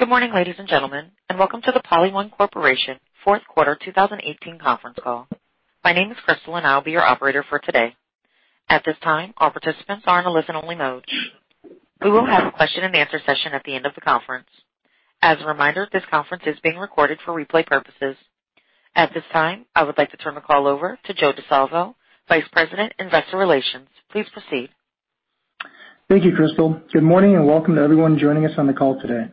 Good morning, ladies and gentlemen, welcome to the PolyOne Corporation Fourth Quarter 2018 Conference Call. My name is Crystal, I will be your operator for today. At this time, all participants are in a listen-only mode. We will have a question and answer session at the end of the conference. As a reminder, this conference is being recorded for replay purposes. At this time, I would like to turn the call over to Joe Di Salvo, Vice President, Investor Relations. Please proceed. Thank you, Crystal. Good morning, welcome to everyone joining us on the call today.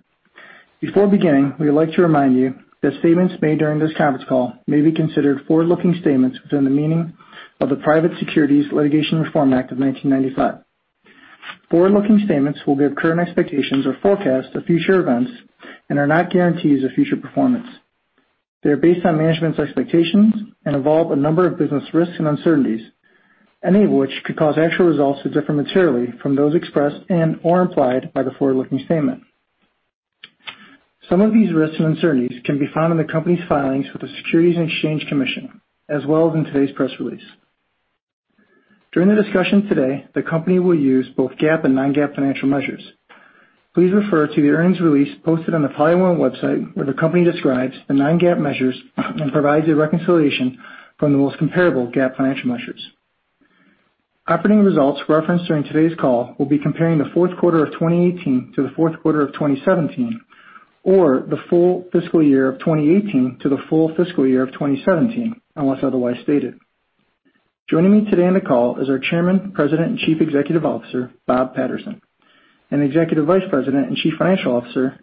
Before beginning, we would like to remind you that statements made during this conference call may be considered forward-looking statements within the meaning of the Private Securities Litigation Reform Act of 1995. Forward-looking statements will give current expectations or forecasts of future events and are not guarantees of future performance. They are based on management's expectations and involve a number of business risks and uncertainties, any of which could cause actual results to differ materially from those expressed and/or implied by the forward-looking statement. Some of these risks and uncertainties can be found in the company's filings with the Securities and Exchange Commission, as well as in today's press release. During the discussion today, the company will use both GAAP and non-GAAP financial measures. Please refer to the earnings release posted on the PolyOne website, where the company describes the non-GAAP measures and provides a reconciliation from the most comparable GAAP financial measures. Operating results referenced during today's call will be comparing the fourth quarter of 2018 to the fourth quarter of 2017 or the full fiscal year of 2018 to the full fiscal year of 2017, unless otherwise stated. Joining me today on the call is our Chairman, President, and Chief Executive Officer, Bob Patterson, Executive Vice President and Chief Financial Officer,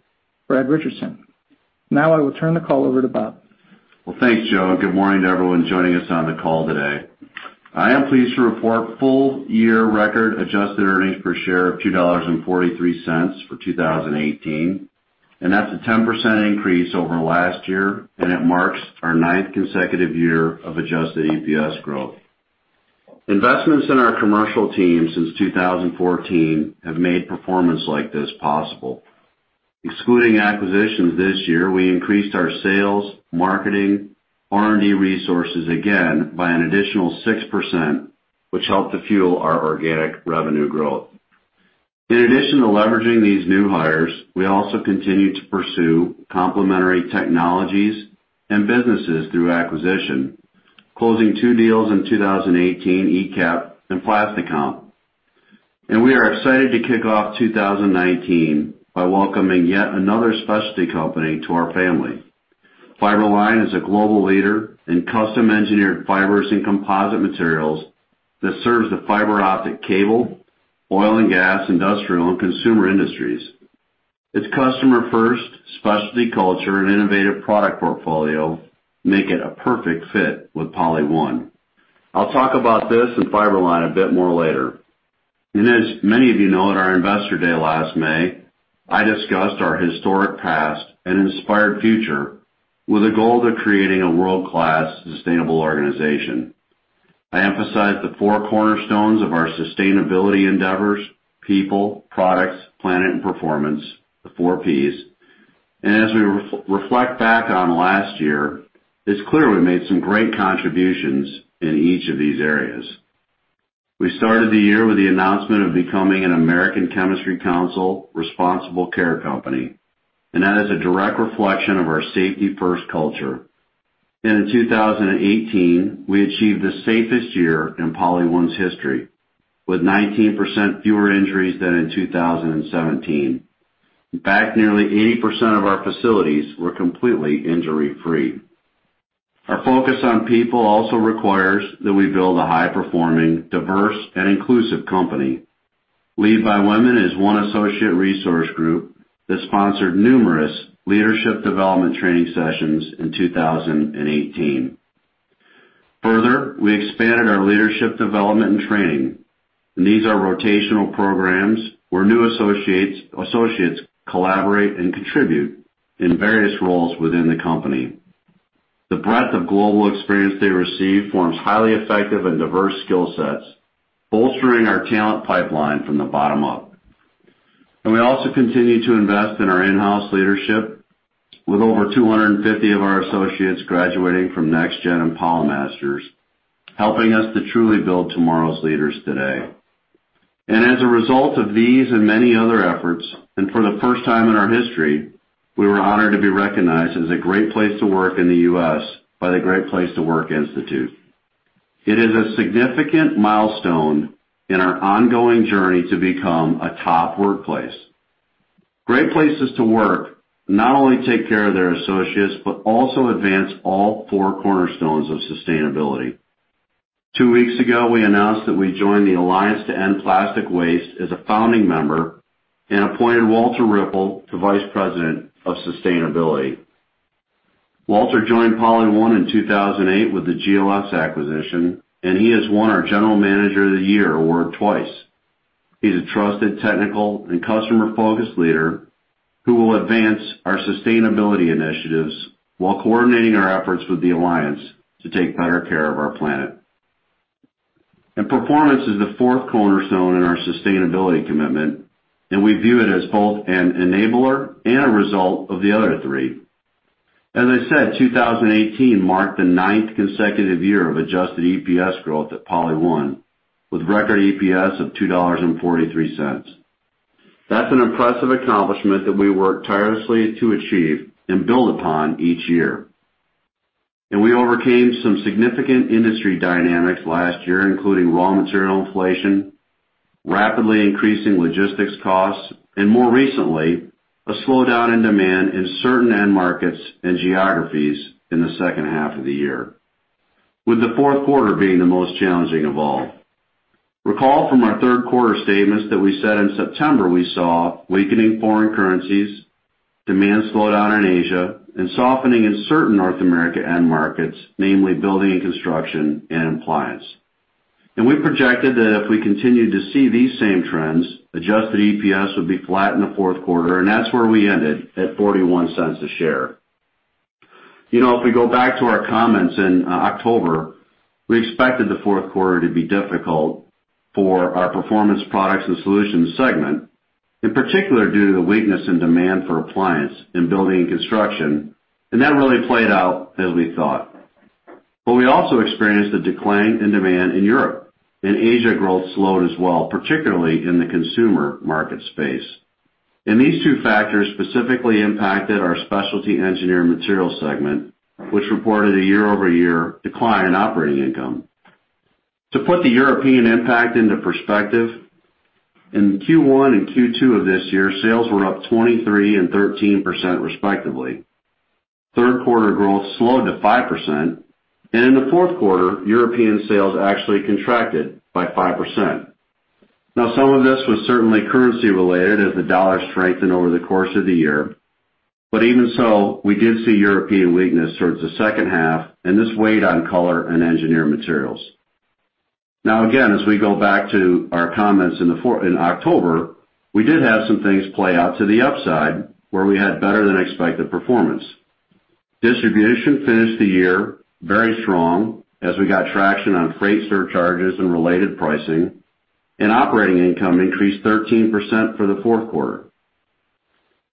Brad Richardson. Now I will turn the call over to Bob. Well, thanks, Joe, good morning to everyone joining us on the call today. I am pleased to report full-year record adjusted earnings per share of $2.43 for 2018, that's a 10% increase over last year, and it marks our ninth consecutive year of adjusted EPS growth. Investments in our commercial team since 2014 have made performance like this possible. Excluding acquisitions this year, we increased our sales, marketing, R&D resources again by an additional 6%, which helped to fuel our organic revenue growth. In addition to leveraging these new hires, we also continue to pursue complementary technologies and businesses through acquisition, closing two deals in 2018, IQAP and PlastiComp. We are excited to kick off 2019 by welcoming yet another specialty company to our family. Fiber-Line is a global leader in custom-engineered fibers and composite materials that serves the fiber optic cable, oil and gas, industrial, and consumer industries. Its customer-first specialty culture and innovative product portfolio make it a perfect fit with PolyOne. I will talk about this and Fiber-Line a bit more later. As many of you know, at our Investor Day last May, I discussed our historic past and inspired future with a goal to creating a world-class sustainable organization. I emphasized the four cornerstones of our sustainability endeavors, people, products, planet, and performance, the four Ps. As we reflect back on last year, it is clear we made some great contributions in each of these areas. We started the year with the announcement of becoming an American Chemistry Council Responsible Care Company, and that is a direct reflection of our safety-first culture. In 2018, we achieved the safest year in PolyOne's history, with 19% fewer injuries than in 2017. In fact, nearly 80% of our facilities were completely injury-free. Our focus on people also requires that we build a high-performing, diverse, and inclusive company. LEAD by Women is one associate resource group that sponsored numerous leadership development training sessions in 2018. Further, we expanded our leadership development and training, and these are rotational programs where new associates collaborate and contribute in various roles within the company. The breadth of global experience they receive forms highly effective and diverse skill sets, bolstering our talent pipeline from the bottom up. We also continue to invest in our in-house leadership with over 250 of our associates graduating from NextGen and PolyMasters, helping us to truly build tomorrow's leaders today. As a result of these and many other efforts, for the first time in our history, we were honored to be recognized as a Great Place to Work in the U.S. by the Great Place to Work Institute. It is a significant milestone in our ongoing journey to become a top workplace. Great places to work not only take care of their associates, but also advance all four cornerstones of sustainability. Two weeks ago, we announced that we joined the Alliance to End Plastic Waste as a founding member and appointed Walter Ripple to Vice President of Sustainability. Walter joined PolyOne in 2008 with the GLS acquisition, and he has won our General Manager of the Year award twice. He is a trusted technical and customer-focused leader who will advance our sustainability initiatives while coordinating our efforts with the Alliance to take better care of our planet. Performance is the fourth cornerstone in our sustainability commitment, and we view it as both an enabler and a result of the other three. As I said, 2018 marked the ninth consecutive year of adjusted EPS growth at PolyOne, with record EPS of $2.43. That is an impressive accomplishment that we work tirelessly to achieve and build upon each year. We overcame some significant industry dynamics last year, including raw material inflation, rapidly increasing logistics costs, and more recently, a slowdown in demand in certain end markets and geographies in the second half of the year, with the fourth quarter being the most challenging of all. Recall from our third quarter statements that we said in September we saw weakening foreign currencies, demand slowdown in Asia, and softening in certain North America end markets, namely building and construction, and appliance. We projected that if we continued to see these same trends, adjusted EPS would be flat in the fourth quarter, and that's where we ended, at $0.41 a share. If we go back to our comments in October, we expected the fourth quarter to be difficult for our Performance Products & Solutions segment, in particular due to the weakness in demand for appliance and building and construction, and that really played out as we thought. We also experienced a decline in demand in Europe, Asia growth slowed as well, particularly in the consumer market space. These two factors specifically impacted our Specialty Engineered Materials segment, which reported a year-over-year decline in operating income. To put the European impact into perspective, in Q1 and Q2 of this year, sales were up 23% and 13% respectively. Third quarter growth slowed to 5%, in the fourth quarter, European sales actually contracted by 5%. Some of this was certainly currency related as the dollar strengthened over the course of the year. Even so, we did see European weakness towards the second half, and this weighed on color and engineered materials. Again, as we go back to our comments in October, we did have some things play out to the upside where we had better-than-expected performance. Distribution finished the year very strong as we got traction on freight surcharges and related pricing, and operating income increased 13% for the fourth quarter.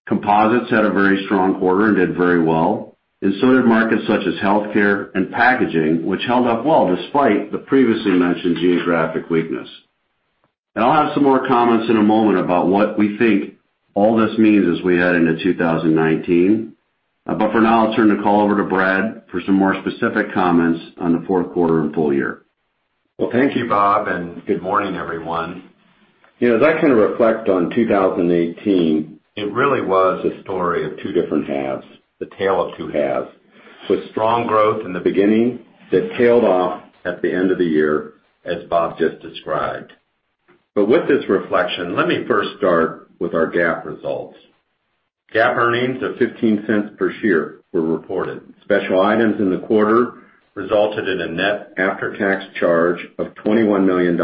Composites had a very strong quarter and did very well, so did markets such as healthcare and packaging, which held up well despite the previously mentioned geographic weakness. I'll have some more comments in a moment about what we think all this means as we head into 2019. For now, I'll turn the call over to Brad for some more specific comments on the fourth quarter and full year. Thank you, Bob, and good morning, everyone. As I kind of reflect on 2018, it really was a story of two different halves, the tale of two halves, with strong growth in the beginning that tailed off at the end of the year, as Bob just described. With this reflection, let me first start with our GAAP results. GAAP earnings of $0.15 per share were reported. Special items in the quarter resulted in a net after-tax charge of $21 million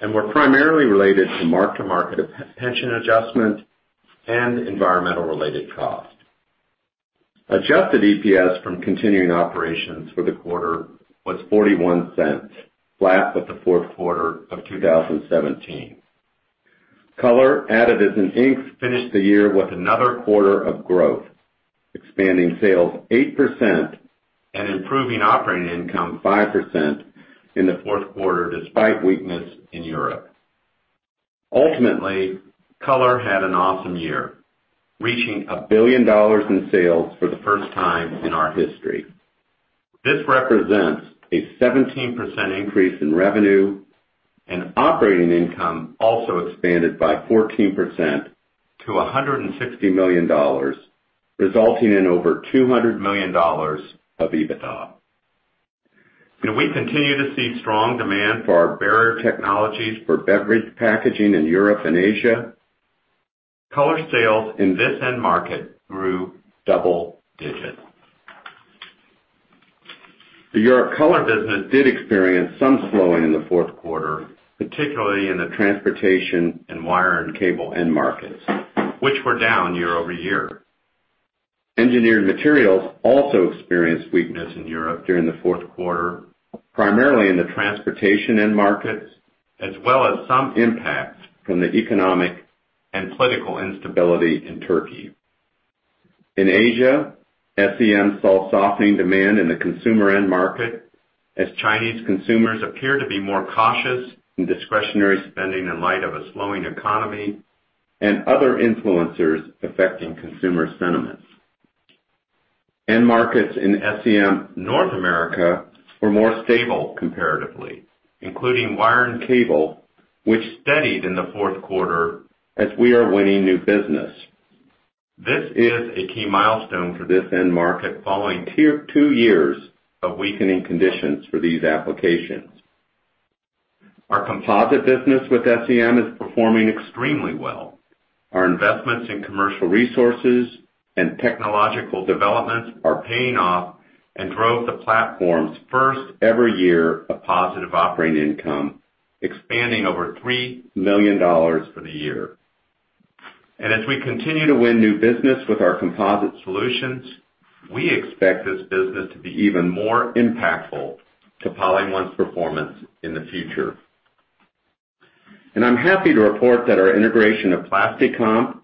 and were primarily related to mark-to-market pension adjustment and environmental-related costs. Adjusted EPS from continuing operations for the quarter was $0.41, flat with the fourth quarter of 2017. Color, Additives, and Inks finished the year with another quarter of growth, expanding sales 8% and improving operating income 5% in the fourth quarter, despite weakness in Europe. Ultimately, Color had an awesome year, reaching $1 billion in sales for the first time in our history. This represents a 17% increase in revenue, and operating income also expanded by 14% to $160 million, resulting in over $200 million of EBITDA. We continue to see strong demand for our barrier technologies for beverage packaging in Europe and Asia. Color sales in this end market grew double digits. The Europe Color business did experience some slowing in the fourth quarter, particularly in the transportation and wire and cable end markets, which were down year-over-year. Engineered Materials also experienced weakness in Europe during the fourth quarter, primarily in the transportation end markets, as well as some impact from the economic and political instability in Turkey. In Asia, SEM saw softening demand in the consumer end market as Chinese consumers appear to be more cautious in discretionary spending in light of a slowing economy and other influencers affecting consumer sentiments. End markets in SEM North America were more stable comparatively, including wire and cable, which steadied in the fourth quarter as we are winning new business. This is a key milestone for this end market following two years of weakening conditions for these applications. Our composite business with SEM is performing extremely well. Our investments in commercial resources and technological developments are paying off and drove the platform's first ever year of positive operating income, expanding over $3 million for the year. As we continue to win new business with our composite solutions, we expect this business to be even more impactful to PolyOne's performance in the future. I'm happy to report that our integration of PlastiComp,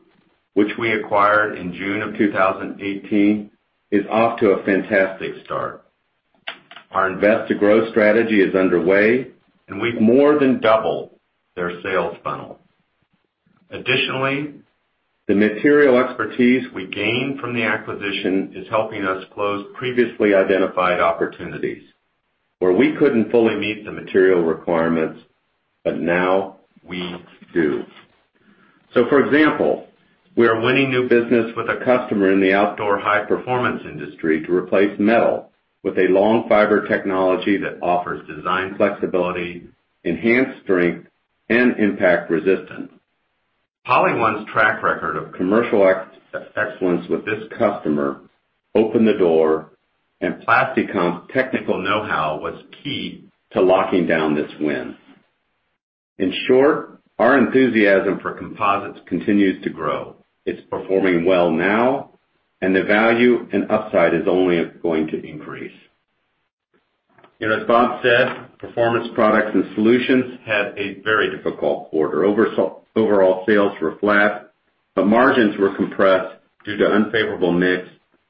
which we acquired in June of 2018, is off to a fantastic start. Our invest to grow strategy is underway, and we've more than doubled their sales funnel. Additionally, the material expertise we gained from the acquisition is helping us close previously identified opportunities where we couldn't fully meet the material requirements, but now we do. For example, we are winning new business with a customer in the outdoor high-performance industry to replace metal with a long fiber technology that offers design flexibility, enhanced strength, and impact resistance. PolyOne's track record of commercial excellence with this customer opened the door, and PlastiComp's technical know-how was key to locking down this win. In short, our enthusiasm for composites continues to grow. It's performing well now, and the value and upside is only going to increase. As Bob said, Performance Products & Solutions had a very difficult quarter. Overall sales were flat, but margins were compressed due to unfavorable mix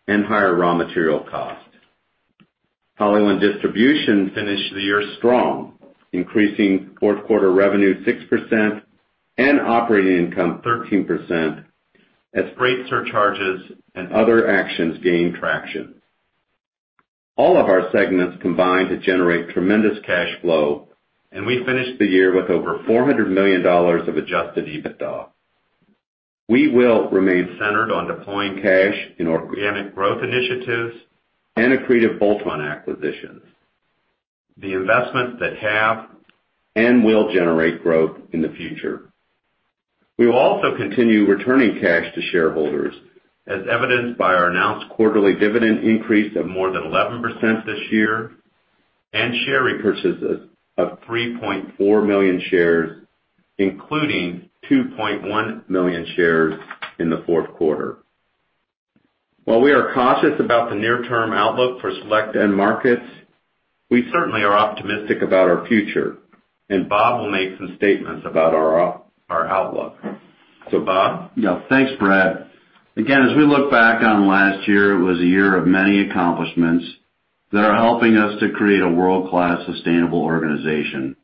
and higher raw material costs. PolyOne Distribution finished the year strong, increasing fourth quarter revenue 6% and operating income 13% as freight surcharges and other actions gained traction. All of our segments combined to generate tremendous cash flow, and we finished the year with over $400 million of adjusted EBITDA. We will remain centered on deploying cash in organic growth initiatives and accretive bolt-on acquisitions. The investments that have and will generate growth in the future. We will also continue returning cash to shareholders, as evidenced by our announced quarterly dividend increase of more than 11% this year and share repurchases of 3.4 million shares, including 2.1 million shares in the fourth quarter. While we are cautious about the near-term outlook for select end markets, we certainly are optimistic about our future, and Bob will make some statements about our outlook. Bob? Thanks, Brad. Again, as we look back on last year, it was a year of many accomplishments that are helping us to create a world-class sustainable organization.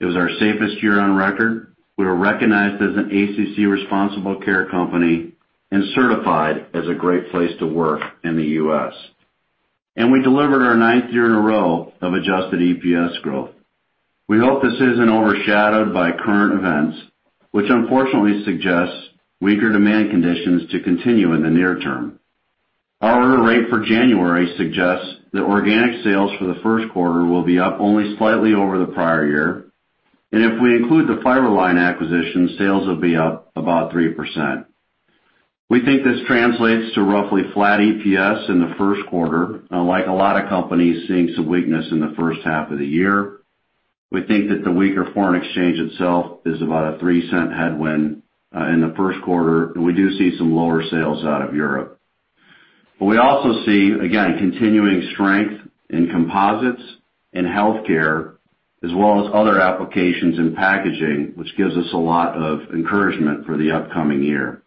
It was our safest year on record. We were recognized as an ACC Responsible Care company and certified as a great place to work in the U.S. We delivered our ninth year in a row of adjusted EPS growth. We hope this isn't overshadowed by current events, which unfortunately suggests weaker demand conditions to continue in the near term. Our order rate for January suggests that organic sales for the first quarter will be up only slightly over the prior year, and if we include the Fiber-Line acquisition, sales will be up about 3%. We think this translates to roughly flat EPS in the first quarter. Unlike a lot of companies seeing some weakness in the first half of the year, we think that the weaker foreign exchange itself is about a $0.03 headwind in the first quarter, and we do see some lower sales out of Europe. We also see, again, continuing strength in composites and healthcare, as well as other applications in packaging, which gives us a lot of encouragement for the upcoming year.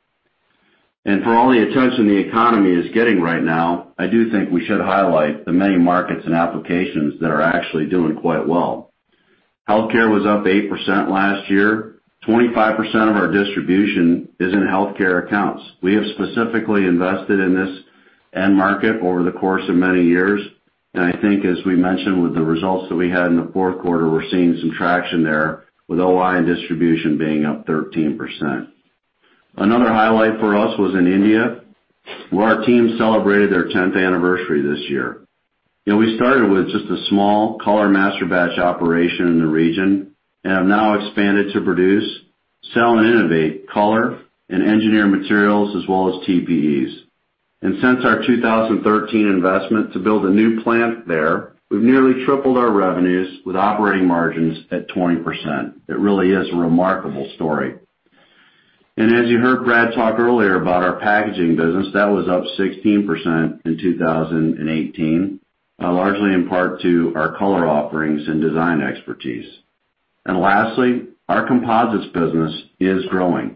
For all the attention the economy is getting right now, I do think we should highlight the many markets and applications that are actually doing quite well. Healthcare was up 8% last year. 25% of our distribution is in healthcare accounts. We have specifically invested in this end market over the course of many years, and I think as we mentioned with the results that we had in the fourth quarter, we're seeing some traction there with OI and distribution being up 13%. Another highlight for us was in India, where our team celebrated their tenth anniversary this year. We started with just a small color master batch operation in the region and have now expanded to produce, sell, and innovate color and engineer materials as well as TPEs. Since our 2013 investment to build a new plant there, we've nearly tripled our revenues with operating margins at 20%. It really is a remarkable story. As you heard Brad talk earlier about our packaging business, that was up 16% in 2018, largely in part to our color offerings and design expertise. Lastly, our composites business is growing.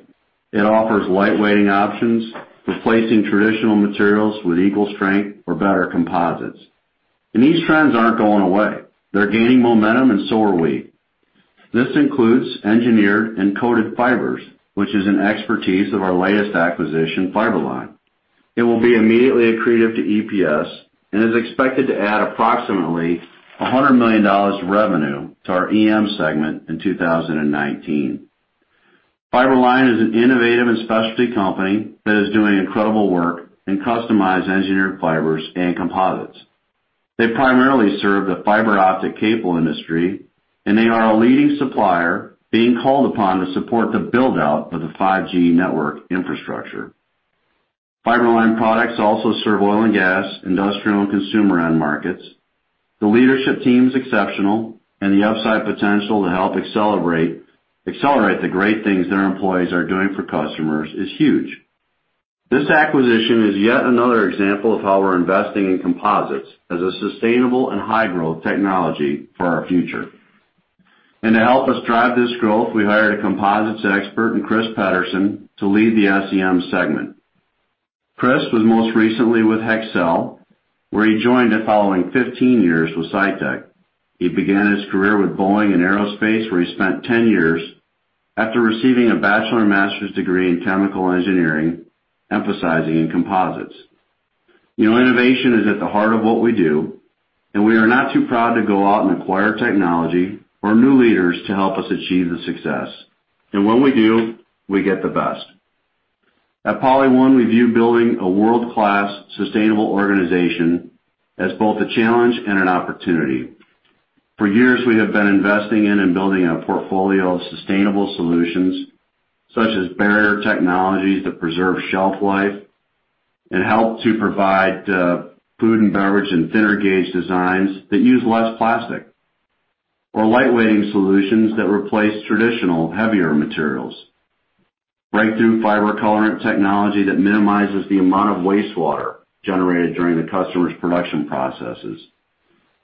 It offers lightweighting options, replacing traditional materials with equal strength or better composites. These trends aren't going away. They're gaining momentum and so are we. This includes engineered and coated fibers, which is an expertise of our latest acquisition, Fiber-Line. It will be immediately accretive to EPS and is expected to add approximately $100 million revenue to our EM segment in 2019. Fiber-Line is an innovative and specialty company that is doing incredible work in customized engineered fibers and composites. They primarily serve the fiber optic cable industry, and they are a leading supplier being called upon to support the build-out of the 5G network infrastructure. Fiber-Line products also serve oil and gas, industrial, and consumer end markets. The leadership team's exceptional, and the upside potential to help accelerate the great things their employees are doing for customers is huge. This acquisition is yet another example of how we're investing in composites as a sustainable and high-growth technology for our future. To help us drive this growth, we hired a composites expert in Chris Pederson to lead the SEM segment. Chris was most recently with Hexcel, where he joined it following 15 years with Cytec. He began his career with Boeing in aerospace, where he spent 10 years after receiving a bachelor master's degree in chemical engineering, emphasizing in composites. Innovation is at the heart of what we do, we are not too proud to go out and acquire technology or new leaders to help us achieve the success. When we do, we get the best. At PolyOne, we view building a world-class sustainable organization as both a challenge and an opportunity. For years, we have been investing in and building a portfolio of sustainable solutions, such as barrier technologies that preserve shelf life and help to provide food and beverage and thinner gauge designs that use less plastic or lightweighting solutions that replace traditional heavier materials. Breakthrough fiber colorant technology that minimizes the amount of wastewater generated during the customer's production processes.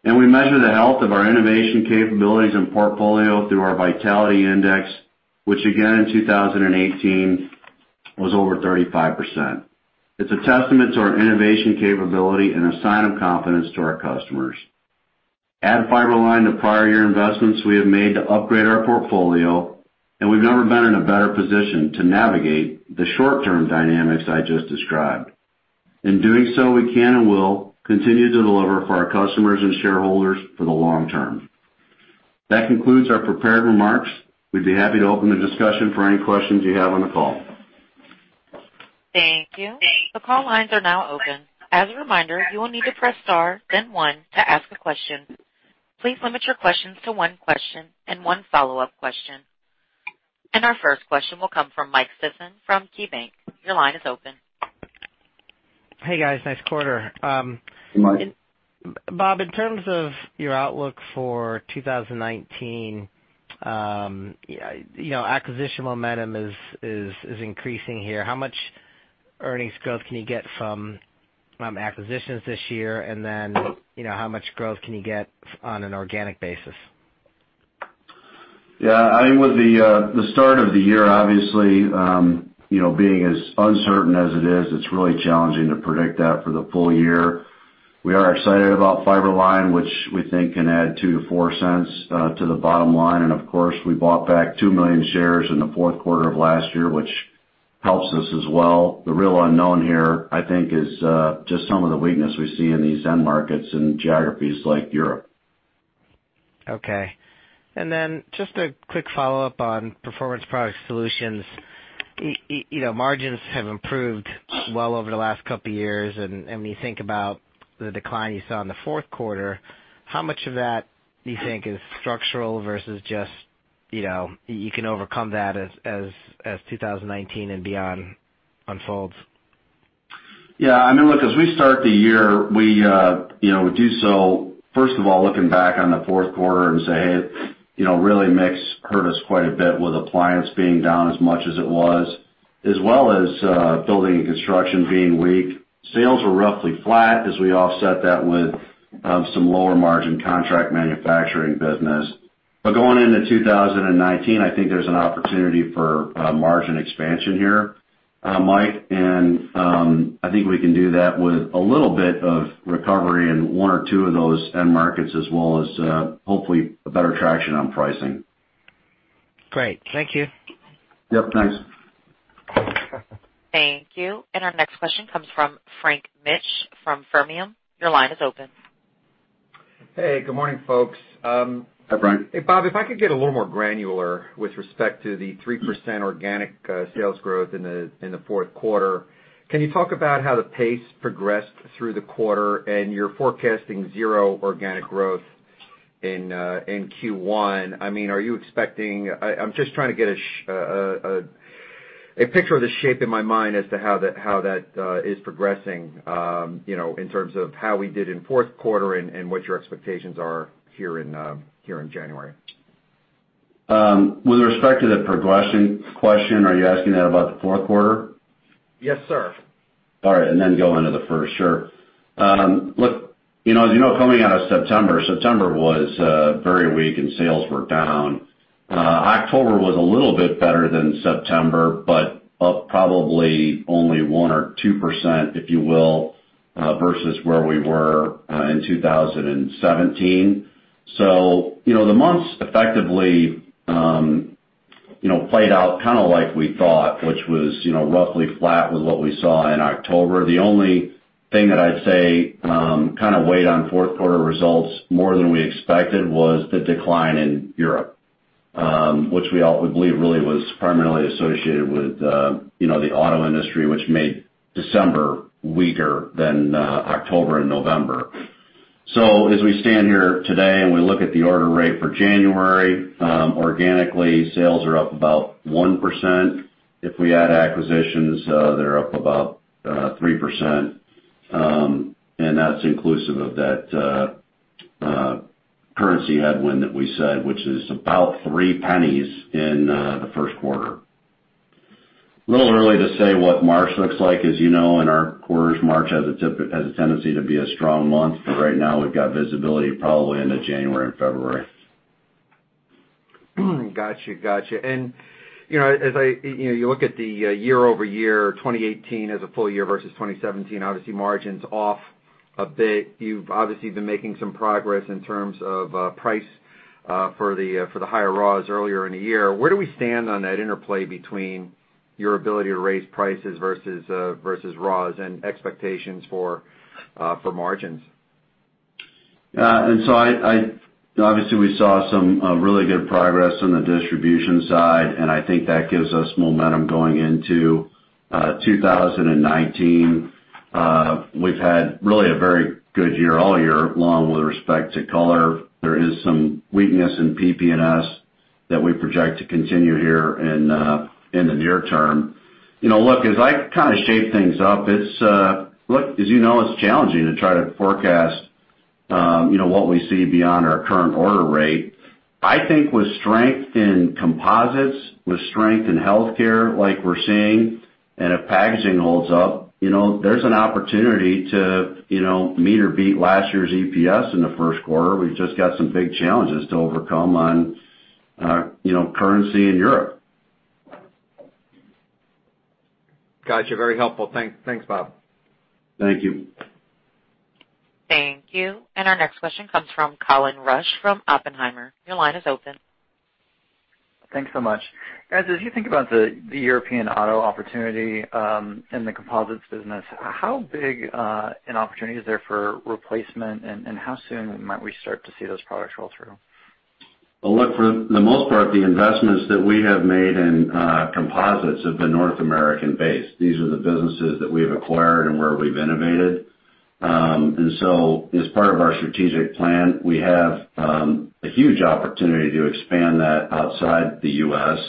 We measure the health of our innovation capabilities and portfolio through our vitality index, which again in 2018 was over 35%. It's a testament to our innovation capability and a sign of confidence to our customers. Add Fiber-Line to prior year investments we have made to upgrade our portfolio, we've never been in a better position to navigate the short-term dynamics I just described. In doing so, we can and will continue to deliver for our customers and shareholders for the long term. That concludes our prepared remarks. We'd be happy to open the discussion for any questions you have on the call. Thank you. The call lines are now open. As a reminder, you will need to press star then one to ask a question. Please limit your questions to one question and one follow-up question. Our first question will come from Mike Sison from KeyBanc. Your line is open. Hey, guys. Nice quarter. Good Morning. Bob, in terms of your outlook for 2019, acquisition momentum is increasing here. How much earnings growth can you get from acquisitions this year? Then, how much growth can you get on an organic basis? Yeah. I think with the start of the year, obviously, being as uncertain as it is, it's really challenging to predict that for the full year. We are excited about Fiber-Line, which we think can add $0.02-$0.04 to the bottom line. Of course, we bought back two million shares in the fourth quarter of last year, which helps us as well. The real unknown here, I think, is just some of the weakness we see in these end markets in geographies like Europe. Okay. Just a quick follow-up on Performance Products & Solutions. Margins have improved well over the last couple of years, and when you think about the decline you saw in the fourth quarter, how much of that do you think is structural versus just, you can overcome that as 2019 and beyond unfolds? Yeah. Look, as we start the year, we do so, first of all, looking back on the fourth quarter and say, "Hey, really mix hurt us quite a bit with appliance being down as much as it was, as well as building and construction being weak." Sales were roughly flat as we offset that with some lower margin contract manufacturing business. Going into 2019, I think there's an opportunity for margin expansion here, Mike, and I think we can do that with a little bit of recovery in one or two of those end markets, as well as hopefully better traction on pricing. Great. Thank you. Yep, thanks. Thank you. Our next question comes from Frank Mitsch from Fermium Research. Your line is open. Hey, good morning, folks. Hi, Frank. Hey, Bob, if I could get a little more granular with respect to the 3% organic sales growth in the fourth quarter, can you talk about how the pace progressed through the quarter and your forecasting zero organic growth in Q1? I'm just trying to get a picture of the shape in my mind as to how that is progressing, in terms of how we did in fourth quarter and what your expectations are here in January. With respect to the progression question, are you asking that about the fourth quarter? Yes, sir. All right, then go into the first, sure. Look, as you know, coming out of September was very weak and sales were down. October was a little bit better than September, up probably only 1% or 2%, if you will, versus where we were in 2017. The months effectively played out like we thought, which was roughly flat with what we saw in October. The only thing that I'd say weighed on fourth quarter results more than we expected was the decline in Europe, which we all believe really was primarily associated with the auto industry, which made December weaker than October and November. As we stand here today and we look at the order rate for January, organically, sales are up about 1%. If we add acquisitions, they're up about 3%, and that's inclusive of that currency headwind that we said, which is about $0.03 in the first quarter. A little early to say what March looks like. As you know, in our quarters, March has a tendency to be a strong month. Right now we've got visibility probably into January and February. Got you. As you look at the year-over-year, 2018 as a full year versus 2017, obviously margin's off a bit. You've obviously been making some progress in terms of price for the higher raws earlier in the year. Where do we stand on that interplay between your ability to raise prices versus raws and expectations for margins? Obviously we saw some really good progress on the distribution side, I think that gives us momentum going into 2019. We've had really a very good year all year long with respect to Color. There is some weakness in PP&S that we project to continue here in the near term. Look, as I shape things up, as you know, it's challenging to try to forecast what we see beyond our current order rate. I think with strength in composites, with strength in healthcare like we're seeing, if packaging holds up, there's an opportunity to meet or beat last year's EPS in the first quarter. We've just got some big challenges to overcome on currency in Europe. Got you. Very helpful. Thanks, Bob. Thank you. Thank you. Our next question comes from Colin Rusch from Oppenheimer. Your line is open. Thanks so much. Guys, as you think about the European auto opportunity in the composites business, how big an opportunity is there for replacement, and how soon might we start to see those products roll through? Well, look, for the most part, the investments that we have made in composites have been North American based. These are the businesses that we have acquired and where we've innovated. As part of our strategic plan, we have a huge opportunity to expand that outside the U.S.,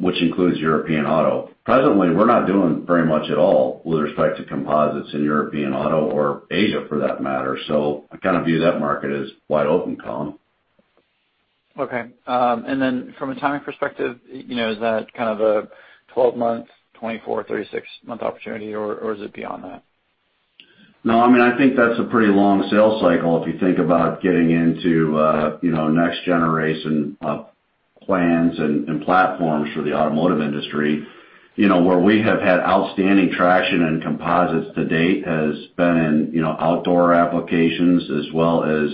which includes European auto. Presently, we're not doing very much at all with respect to composites in European auto or Asia for that matter. I kind of view that market as wide open, Colin. Okay. From a timing perspective, is that kind of a 12-month, 24, 36-month opportunity or is it beyond that? No, I think that's a pretty long sales cycle if you think about getting into next generation of plans and platforms for the automotive industry. Where we have had outstanding traction in composites to date has been in outdoor applications as well as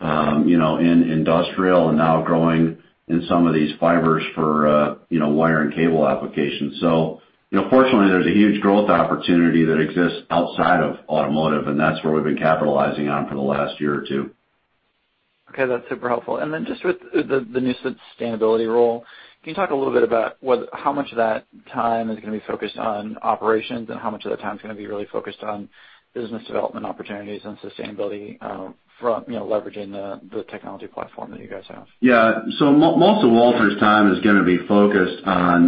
in industrial, and now growing in some of these fibers for wire and cable applications. Fortunately, there's a huge growth opportunity that exists outside of automotive, and that's where we've been capitalizing on for the last year or two. Okay, that's super helpful. Then just with the new sustainability role, can you talk a little bit about how much of that time is going to be focused on operations and how much of the time is going to be really focused on business development opportunities and sustainability from leveraging the technology platform that you guys have? Yeah. Most of Walter's time is going to be focused on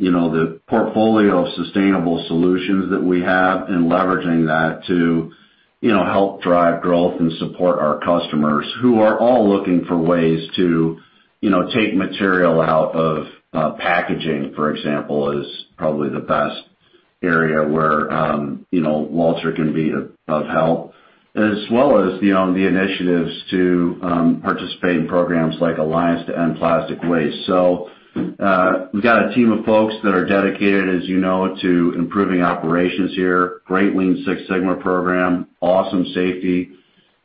the portfolio of sustainable solutions that we have and leveraging that to help drive growth and support our customers who are all looking for ways to take material out of packaging, for example, is probably the best area where Walter can be of help. As well as the initiatives to participate in programs like Alliance to End Plastic Waste. We've got a team of folks that are dedicated, as you know, to improving operations here, great Lean Six Sigma program, awesome safety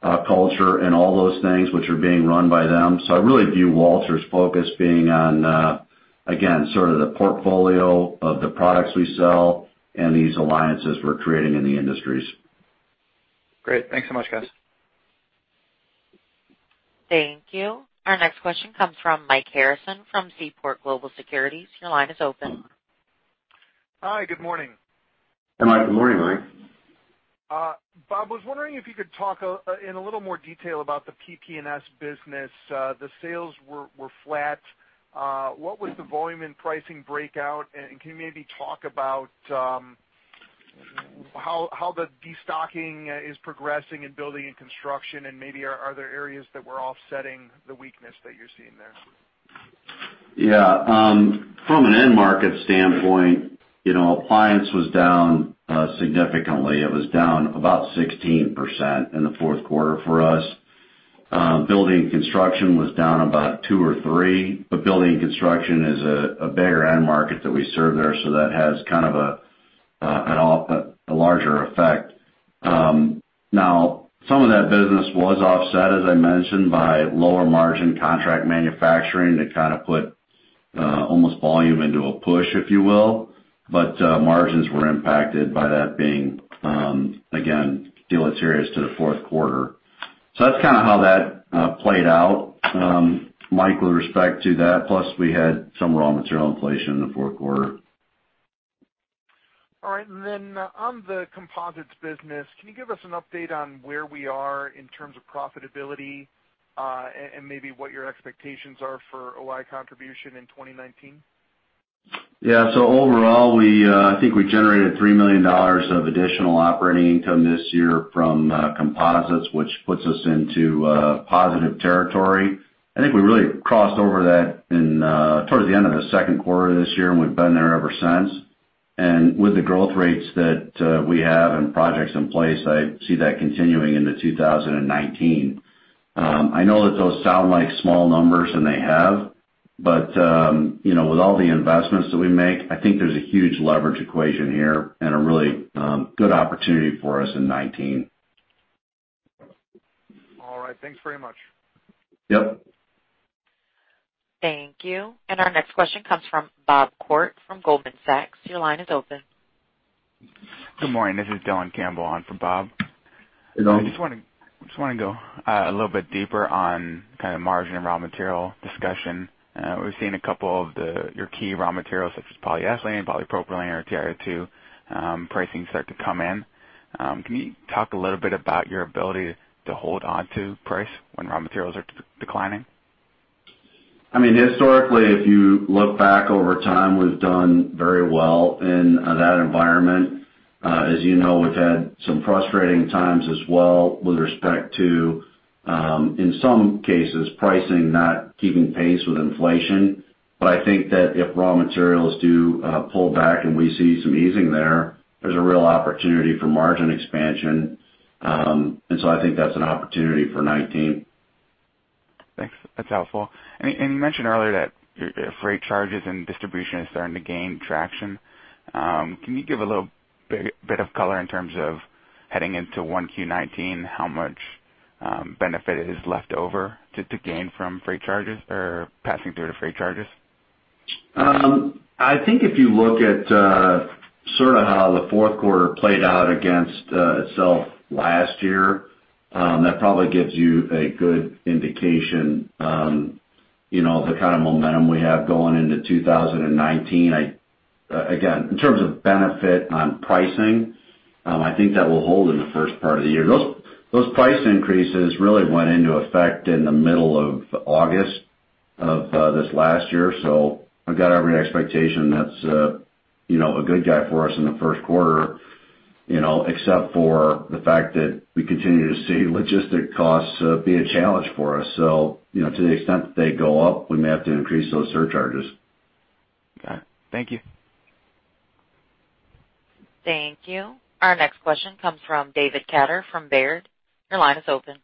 culture and all those things which are being run by them. I really view Walter's focus being on, again, sort of the portfolio of the products we sell and these alliances we're creating in the industries. Great. Thanks so much, guys. Thank you. Our next question comes from Mike Harrison from Seaport Global Securities. Your line is open. Hi, good morning. Hi. Good morning, Mike. Bob, I was wondering if you could talk in a little more detail about the PP&S business. The sales were flat. What was the volume and pricing breakout? Can you maybe talk about how the destocking is progressing in building and construction? Maybe are there areas that were offsetting the weakness that you're seeing there? Yeah. From an end market standpoint, appliance was down significantly. It was down about 16% in the fourth quarter for us. Building and construction was down about 2% or 3%, but building and construction is a bigger end market that we serve there, so that has kind of a larger effect. Some of that business was offset, as I mentioned, by lower margin contract manufacturing that kind of put almost volume into a push, if you will. Margins were impacted by that being, again, deleterious to the fourth quarter. That's kind of how that played out, Mike, with respect to that. Plus, we had some raw material inflation in the fourth quarter. All right. On the composites business, can you give us an update on where we are in terms of profitability? Maybe what your expectations are for OI contribution in 2019? Yeah. Overall, I think we generated $3 million of additional operating income this year from composites, which puts us into positive territory. I think we really crossed over that towards the end of the second quarter this year, and we've been there ever since. With the growth rates that we have and projects in place, I see that continuing into 2019. I know that those sound like small numbers, and they have, but with all the investments that we make, I think there's a huge leverage equation here and a really good opportunity for us in 2019. All right. Thanks very much. Yep. Thank you. Our next question comes from Bob Koort from Goldman Sachs. Your line is open. Good morning. This is Dylan Campbell on for Bob. Hello. I just want to go a little bit deeper on kind of margin and raw material discussion. We've seen a couple of your key raw materials, such as polyethylene, polypropylene, or TiO2 pricing start to come in. Can you talk a little bit about your ability to hold onto price when raw materials are declining? Historically, if you look back over time, we've done very well in that environment. As you know, we've had some frustrating times as well with respect to, in some cases, pricing not keeping pace with inflation. I think that if raw materials do pull back and we see some easing there's a real opportunity for margin expansion. I think that's an opportunity for 2019. Thanks. That's helpful. You mentioned earlier that freight charges and distribution is starting to gain traction. Can you give a little bit of color in terms of heading into 1Q 2019, how much benefit is left over to gain from freight charges or passing through to freight charges? I think if you look at sort of how the fourth quarter played out against itself last year, that probably gives you a good indication on the kind of momentum we have going into 2019. Again, in terms of benefit on pricing, I think that will hold in the first part of the year. Those price increases really went into effect in the middle of August of this last year, I've got every expectation that's a good guy for us in the first quarter, except for the fact that we continue to see logistic costs be a challenge for us. To the extent that they go up, we may have to increase those surcharges. Got it. Thank you. Thank you. Our next question comes from David Katter from Baird. Your line is open.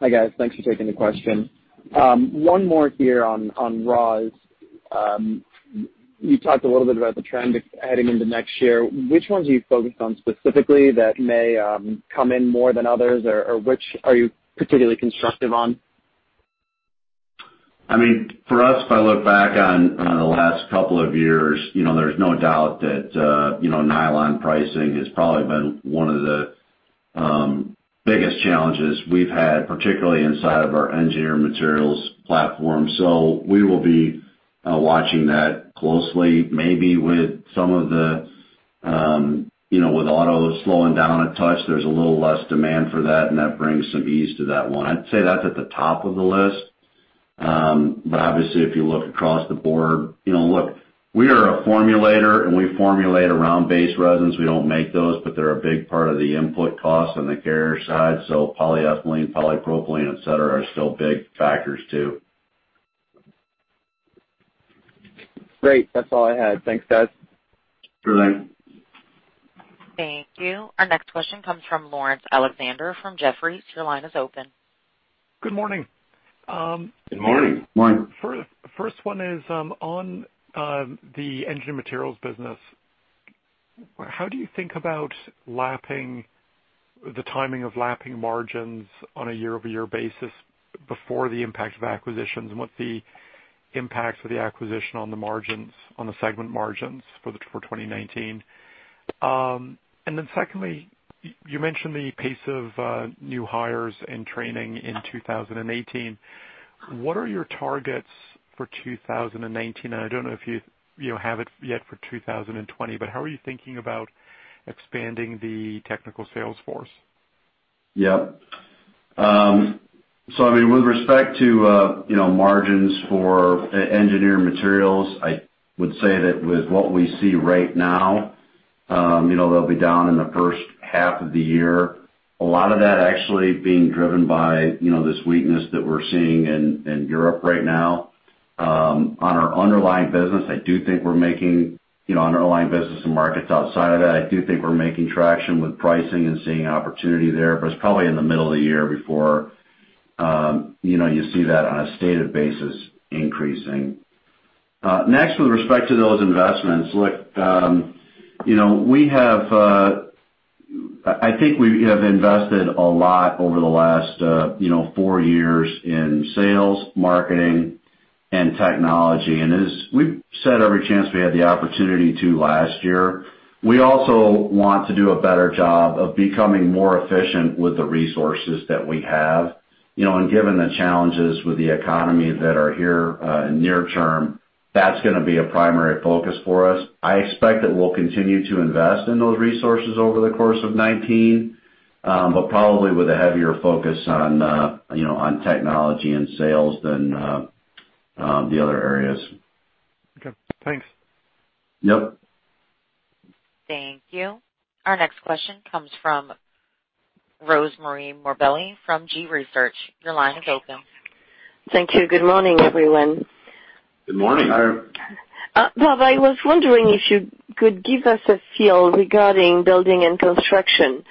Hi, guys. Thanks for taking the question. One more here on raws. You talked a little bit about the trend heading into next year. Which ones are you focused on specifically that may come in more than others, or which are you particularly constructive on? For us, if I look back on the last couple of years, there's no doubt that nylon pricing has probably been one of the biggest challenges we've had, particularly inside of our engineered materials platform. We will be watching that closely. With autos slowing down a touch, there's a little less demand for that, and that brings some ease to that one. I'd say that's at the top of the list. Obviously, if you look across the board, look, we are a formulator, and we formulate around base resins. We don't make those, but they're a big part of the input costs on the carrier side. Polyethylene, polypropylene, et cetera, are still big factors too. Great. That's all I had. Thanks, guys. Thank you. Thank you. Our next question comes from Laurence Alexander from Jefferies. Your line is open. Good morning. Good morning. First one is on the engineered materials business. How do you think about the timing of lapping margins on a year-over-year basis before the impact of acquisitions, and what the impacts of the acquisition on the margins, on the segment margins for 2019? Secondly, you mentioned the pace of new hires and training in 2018. What are your targets for 2019? I don't know if you have it yet for 2020, but how are you thinking about expanding the technical sales force? Yep. With respect to margins for engineered materials, I would say that with what we see right now, they'll be down in the first half of the year. A lot of that actually being driven by this weakness that we're seeing in Europe right now. On our underlying business and markets outside of that, I do think we're making traction with pricing and seeing opportunity there, but it's probably in the middle of the year before you see that on a stated basis increasing. Next, with respect to those investments, I think we have invested a lot over the last four years in sales, marketing, and technology. As we've said every chance we had the opportunity to last year, we also want to do a better job of becoming more efficient with the resources that we have. Given the challenges with the economy that are here in near term, that's going to be a primary focus for us. I expect that we'll continue to invest in those resources over the course of 2019, but probably with a heavier focus on technology and sales than the other areas. Okay. Thanks. Yep. Thank you. Our next question comes from Rosemarie Morbelli from G.research. Your line is open. Thank you. Good morning, everyone. Good morning. Bob, I was wondering if you could give us a feel regarding building and construction.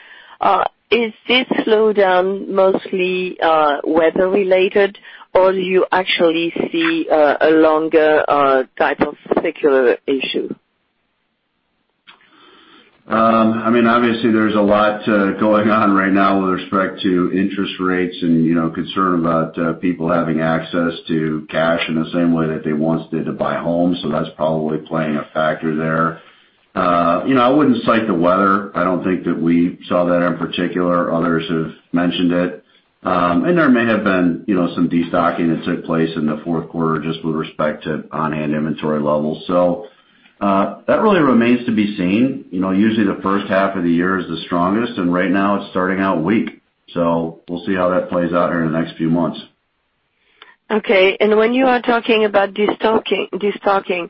Is this slowdown mostly weather related, or do you actually see a longer type of secular issue? Obviously, there's a lot going on right now with respect to interest rates and concern about people having access to cash in the same way that they once did to buy homes. That's probably playing a factor there. I wouldn't cite the weather. I don't think that we saw that in particular. Others have mentioned it. There may have been some destocking that took place in the fourth quarter just with respect to on-hand inventory levels. That really remains to be seen. Usually the first half of the year is the strongest, and right now it's starting out weak. We'll see how that plays out here in the next few months. Okay. When you are talking about destocking,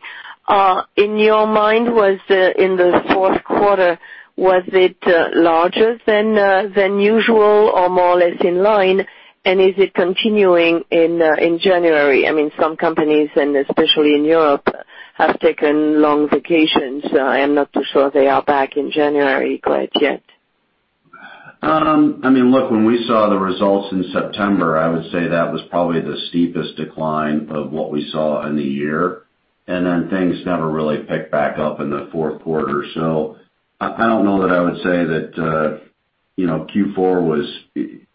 in your mind, in the fourth quarter, was it larger than usual or more or less in line? Is it continuing in January? Some companies, especially in Europe, have taken long vacations. I am not too sure they are back in January quite yet. Look, when we saw the results in September, I would say that was probably the steepest decline of what we saw in the year. Things never really picked back up in the fourth quarter. I don't know that I would say that Q4 was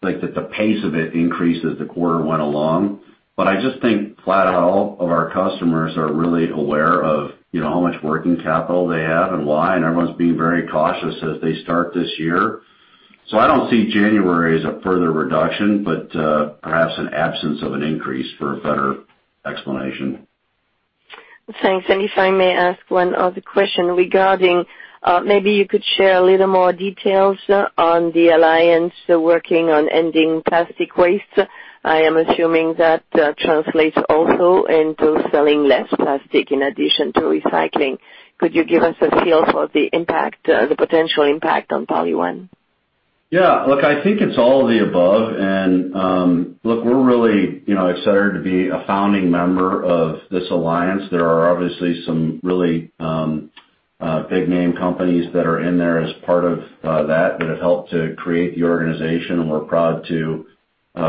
like that the pace of it increased as the quarter went along. I just think flat out all of our customers are really aware of how much working capital they have and why, and everyone's being very cautious as they start this year. I don't see January as a further reduction, but perhaps an absence of an increase for a better explanation. Thanks. If I may ask one other question regarding, maybe you could share a little more details on the Alliance to End Plastic Waste. I am assuming that translates also into selling less plastic in addition to recycling. Could you give us a feel for the potential impact on PolyOne? Yeah, look, I think it's all of the above. Look, we're really excited to be a founding member of this Alliance. There are obviously some really big name companies that are in there as part of that have helped to create the organization. We're proud to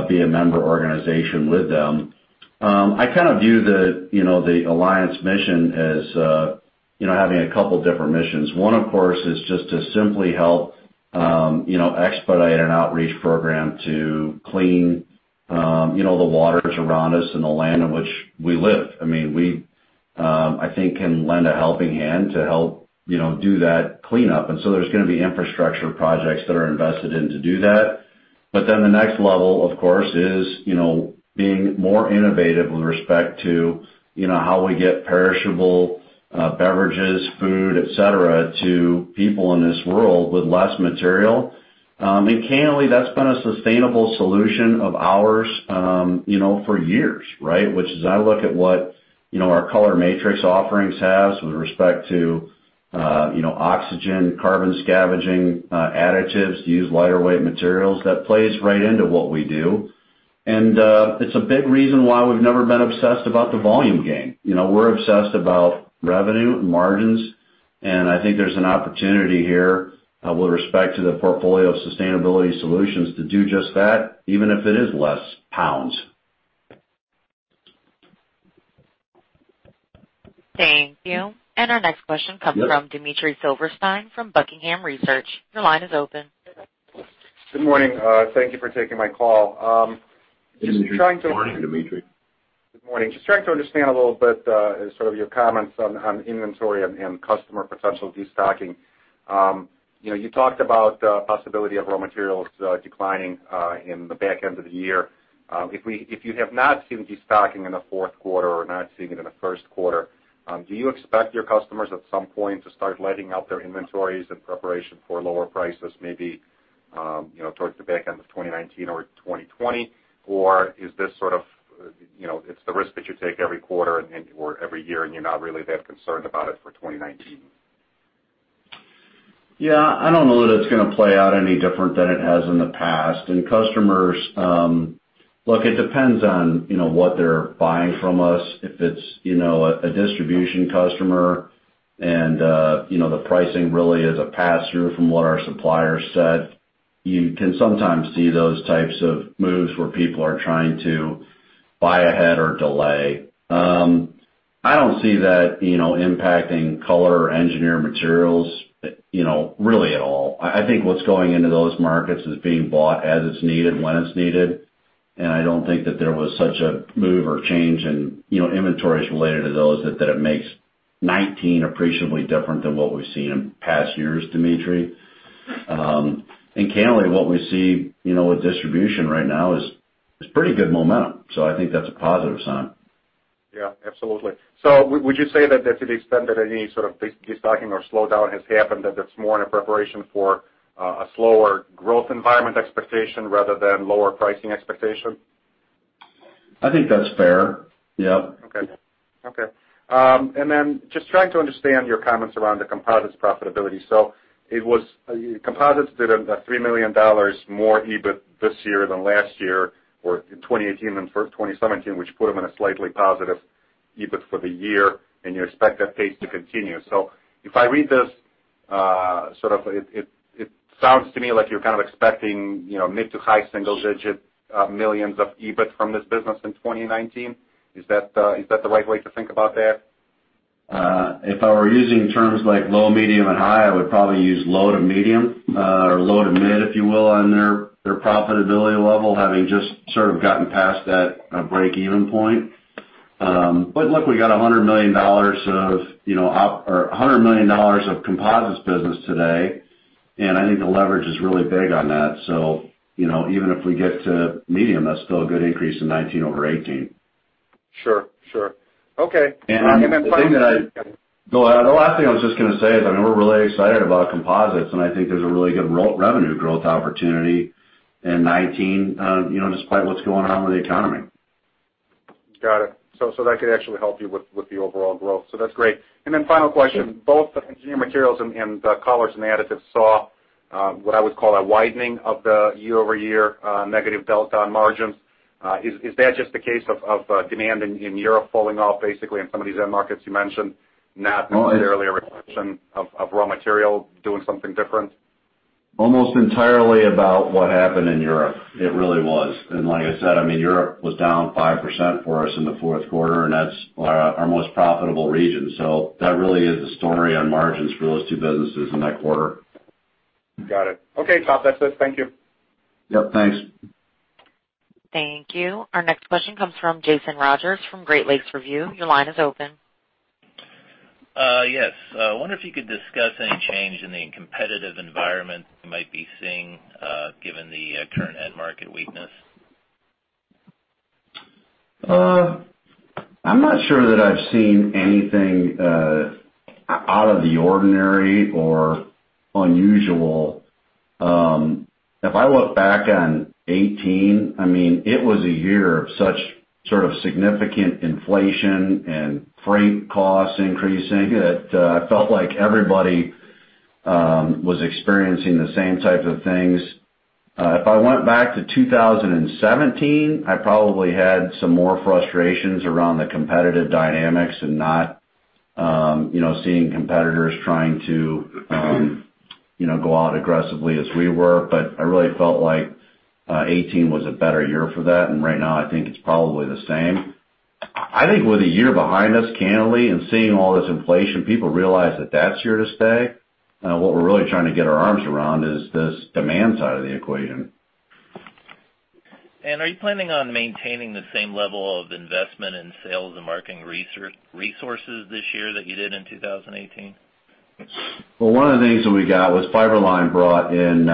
be a member organization with them. I kind of view the Alliance mission as having a couple different missions. One, of course, is just to simply help expedite an outreach program to clean the waters around us and the land in which we live. We, I think, can lend a helping hand to help do that cleanup. There's going to be infrastructure projects that are invested in to do that. The next level, of course, is being more innovative with respect to how we get perishable beverages, food, et cetera, to people in this world with less material. Candidly, that's been a sustainable solution of ours for years. Which as I look at what our ColorMatrix offerings has with respect to oxygen, carbon scavenging additives to use lighter weight materials, that plays right into what we do. It's a big reason why we've never been obsessed about the volume game. We're obsessed about revenue and margins, and I think there's an opportunity here with respect to the portfolio of sustainability solutions to do just that, even if it is less pounds. Thank you. Our next question comes from Dmitry Silversteyn from Buckingham Research. Your line is open. Good morning. Thank you for taking my call. Good morning, Dmitry. Good morning. Just trying to understand a little bit sort of your comments on inventory and customer potential destocking. You talked about possibility of raw materials declining in the back end of the year. If you have not seen destocking in the fourth quarter or not seeing it in the first quarter, do you expect your customers at some point to start letting out their inventories in preparation for lower prices, maybe towards the back end of 2019 or 2020? Is this sort of, it's the risk that you take every quarter or every year, and you're not really that concerned about it for 2019? Yeah. I don't know that it's going to play out any different than it has in the past. Customers, look, it depends on what they're buying from us. If it's a distribution customer and the pricing really is a pass-through from what our suppliers said, you can sometimes see those types of moves where people are trying to buy ahead or delay. I don't see that impacting Specialty Engineered Materials, really at all. I think what's going into those markets is being bought as it's needed, when it's needed, and I don't think that there was such a move or change in inventories related to those that it makes 2019 appreciably different than what we've seen in past years, Dmitry. Candidly, what we see with distribution right now is pretty good momentum. I think that's a positive sign. Yeah, absolutely. Would you say that to the extent that any sort of destocking or slowdown has happened, that it's more in a preparation for a slower growth environment expectation rather than lower pricing expectation? I think that's fair. Yep. Just trying to understand your comments around the composites profitability. Composites did $3 million more EBIT this year than last year, or in 2018 than for 2017, which put them in a slightly positive EBIT for the year, and you expect that pace to continue. If I read this, it sounds to me like you're kind of expecting mid to high single-digit millions of EBIT from this business in 2019. Is that the right way to think about that? If I were using terms like low, medium, and high, I would probably use low to medium or low to mid, if you will, on their profitability level, having just sort of gotten past that break-even point. Look, we got $100 million of composites business today, and I think the leverage is really big on that. Even if we get to medium, that's still a good increase in 2019 over 2018. Sure. Okay. The last thing I was just going to say is we're really excited about composites, and I think there's a really good revenue growth opportunity in 2019, despite what's going on with the economy. Got it. That could actually help you with the overall growth. That's great. Then final question, both the Specialty Engineered Materials and the Color, Additives and Inks saw what I would call a widening of the year-over-year negative delta on margins. Is that just the case of demand in Europe falling off basically in some of these end markets you mentioned, not necessarily a reflection of raw material doing something different? Almost entirely about what happened in Europe. It really was. Like I said, Europe was down 5% for us in the fourth quarter, and that's our most profitable region. That really is the story on margins for those two businesses in that quarter. Got it. Okay, Bob. That's it. Thank you. Yep, thanks. Thank you. Our next question comes from Jason Rodgers from Great Lakes Review. Your line is open. Yes. I wonder if you could discuss any change in the competitive environment you might be seeing, given the current end market weakness. I'm not sure that I've seen anything out of the ordinary or unusual. If I look back on 2018, it was a year of such sort of significant inflation and freight costs increasing that I felt like everybody was experiencing the same types of things. If I went back to 2017, I probably had some more frustrations around the competitive dynamics and not seeing competitors trying to go out aggressively as we were. I really felt like 2018 was a better year for that, and right now I think it's probably the same. I think with a year behind us, candidly, and seeing all this inflation, people realize that that's here to stay. What we're really trying to get our arms around is this demand side of the equation. Are you planning on maintaining the same level of investment in sales and marketing resources this year that you did in 2018? Well, one of the things that we got was Fiber-Line brought in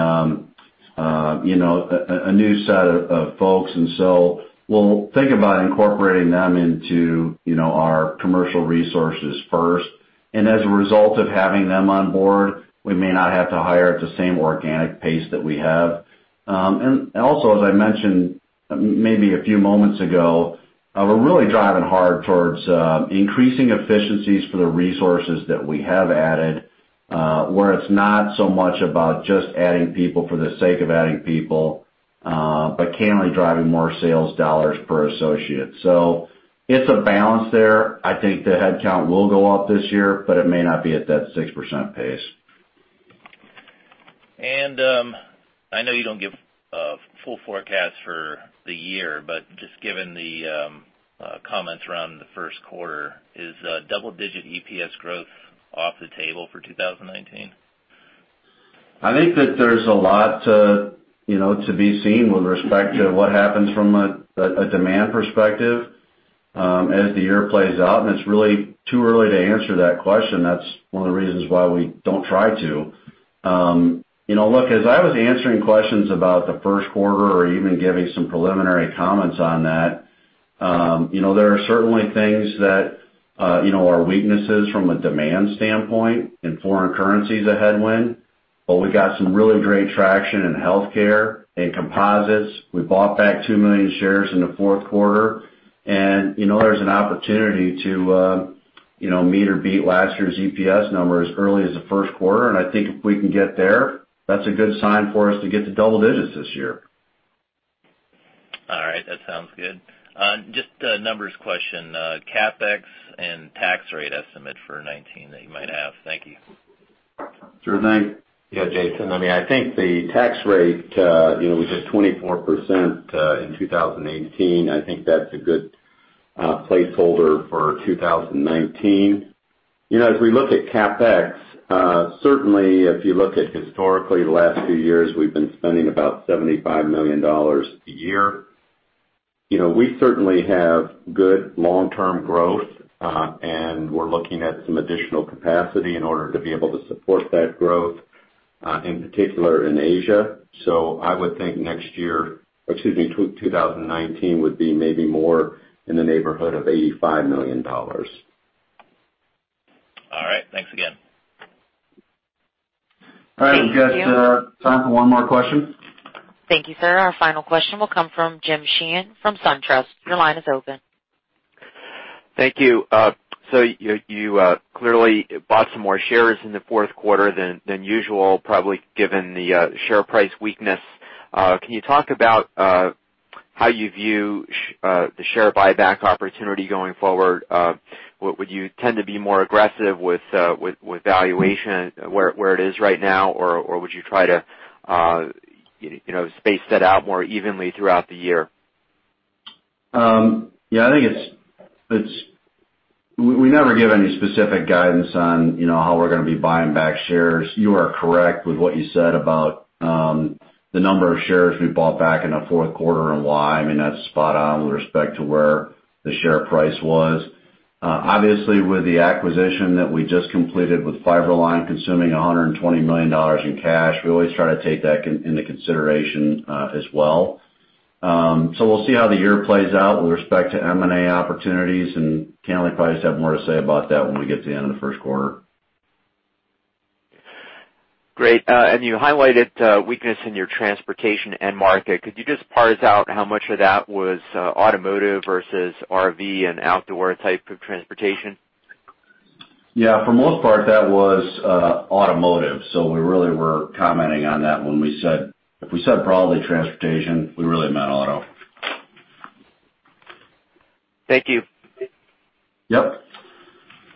a new set of folks, we'll think about incorporating them into our commercial resources first. As a result of having them on board, we may not have to hire at the same organic pace that we have. Also, as I mentioned, maybe a few moments ago, we're really driving hard towards increasing efficiencies for the resources that we have added, where it's not so much about just adding people for the sake of adding people, but candidly driving more sales dollars per associate. It's a balance there. I think the headcount will go up this year, but it may not be at that 6% pace. I know you don't give a full forecast for the year, just given the comments around the first quarter, is double-digit EPS growth off the table for 2019? I think that there's a lot to be seen with respect to what happens from a demand perspective as the year plays out, it's really too early to answer that question. That's one of the reasons why we don't try to. Look, as I was answering questions about the first quarter or even giving some preliminary comments on that, there are certainly things that are weaknesses from a demand standpoint and foreign currency is a headwind. We got some really great traction in healthcare and composites. We bought back two million shares in the fourth quarter, there's an opportunity to meet or beat last year's EPS number as early as the first quarter, I think if we can get there, that's a good sign for us to get to double digits this year. All right. That sounds good. Just a numbers question. CapEx and tax rate estimate for 2019 that you might have. Thank you. Sure thanks. Yeah, Jason, I think the tax rate was at 24% in 2018. I think that's a good placeholder for 2019. As we look at CapEx, certainly if you look at historically the last few years, we've been spending about $75 million a year. We certainly have good long-term growth, and we're looking at some additional capacity in order to be able to support that growth, in particular in Asia. I would think next year, excuse me, 2019 would be maybe more in the neighborhood of $85 million. Thanks again. Thank you. All right. We've got time for one more question. Thank you, sir. Our final question will come from Jim Sheehan from SunTrust. Your line is open. Thank you. You clearly bought some more shares in the fourth quarter than usual, probably given the share price weakness. Can you talk about how you view the share buyback opportunity going forward? Would you tend to be more aggressive with valuation where it is right now, or would you try to space that out more evenly throughout the year? We never give any specific guidance on how we're going to be buying back shares. You are correct with what you said about the number of shares we bought back in the fourth quarter and why. That's spot on with respect to where the share price was. Obviously, with the acquisition that we just completed with Fiber-Line consuming $120 million in cash, we always try to take that into consideration as well. We'll see how the year plays out with respect to M&A opportunities, and can only probably just have more to say about that when we get to the end of the first quarter. Great. You highlighted weakness in your transportation end market. Could you just parse out how much of that was automotive versus RV and outdoor type of transportation? Yeah, for the most part, that was automotive. We really were commenting on that when we said If we said broadly transportation, we really meant auto. Thank you. Yep.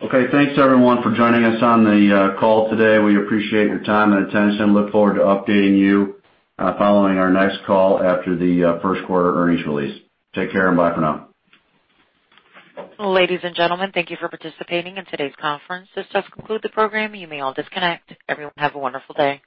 Okay, thanks, everyone, for joining us on the call today. We appreciate your time and attention. Look forward to updating you following our next call after the first quarter earnings release. Take care, and bye for now. Ladies and gentlemen, thank you for participating in today's conference. This does conclude the program. You may all disconnect. Everyone, have a wonderful day.